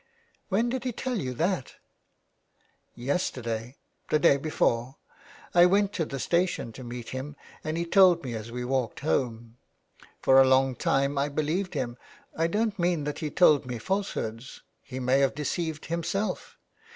" When did he tell you that ?"" Yesterday — the day before. I went to the station to meet him and he told me as we walked home. For a long time I believed him : I don't mean that he told me falsehoods ; he may have deceived himself.